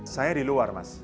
saya di luar mas